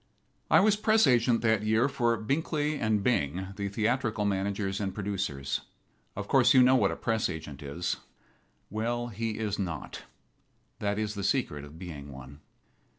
I was press agent that year for Binkly & Bing, the theatrical managers and producers. Of course you know what a press agent is. Well, he is not. That is the secret of being one.